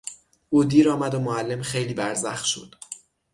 او دیر آمد و معلم خیلی برزخ شد.